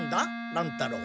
乱太郎。